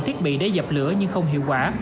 thiết bị để dập lửa nhưng không hiệu quả